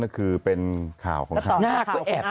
นั่นก็คือเป็นข่าวของข้า